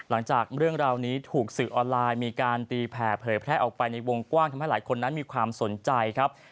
หลังจากเรื่องราวนี้ถูกสื่อออนไลน์มีการตีแผ่เผยแพร่ออกไปในวงกว้างทำให้หลายคนนั้นมีความสนใจครับ